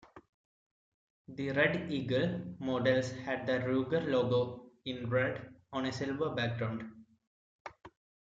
The "Red Eagle" models had the Ruger logo in red on a silver background.